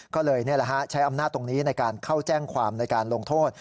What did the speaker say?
ก็เลยใช้อำนาจตรงนี้ในการเข้าแจ้งความในการลงโทษ